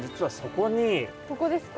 ここですか。